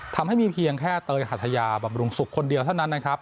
ทำให้มีเพียงแค่เตยหัทยาบำรุงสุขคนเดียวเท่านั้นนะครับ